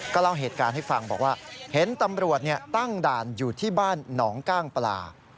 เล่าเหตุการณ์ให้ฟังบอกว่าเห็นตำรวจตั้งด่านอยู่ที่บ้านหนองก้างปลา